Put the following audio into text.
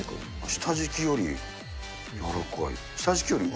下敷きより柔らかい。